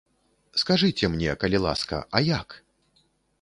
Скажыце мне, калі ласка, а як?